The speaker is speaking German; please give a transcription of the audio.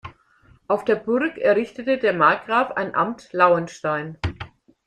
Auf der Burg errichtete der Markgraf ein Amt Lauenstein.